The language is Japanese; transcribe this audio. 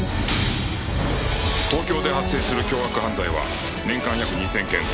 東京で発生する凶悪犯罪は年間約２０００件